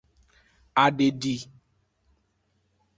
Adedi.